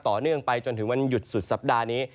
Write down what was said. ต่อเนื่องไปจนถึงวันหยุดสุดสัปดาห์นี้